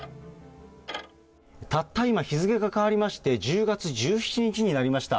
たった今、日付が変わりまして、１０月１７日になりました。